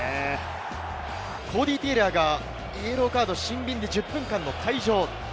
コーディー・テイラーがイエローカード、シンビンで１０分間の退場。